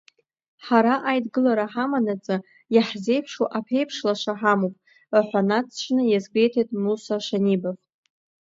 Ҳара аидгылара ҳамананаҵы, иаҳзеиԥшу аԥеиԥш лаша ҳамоуп, ҳәа инаҵшьны иазгәеиҭеит Муса Шанибов.